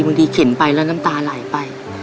บางทีเข็นไปแล้วน้ำตาหลายไป